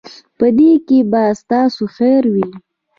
په دې کې به ستاسو خیر وي.